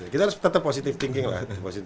kita harus tetap positive thinking lah